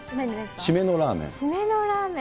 締めのラーメン。